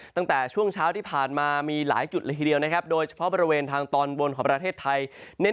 ตั้งแต่ช่วงเช้าที่ผ่านมามีหลายจุดเลยทีเดียวนะครับโดยเฉพาะบริเวณทางตอนบนของประเทศไทยเน้น